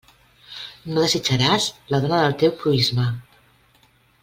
No desitjaràs la dona del teu proïsme.